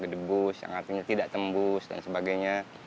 gedebus yang artinya tidak tembus dan sebagainya